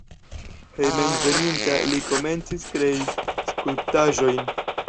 Hejmenveninta li komencis krei skulptaĵojn.